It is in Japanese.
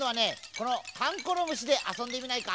この「かんころむし」であそんでみないか？